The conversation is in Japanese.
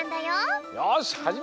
よしはじめよう！